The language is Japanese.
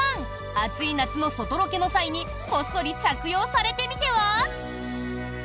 暑い夏の外ロケの際にこっそり着用されてみては？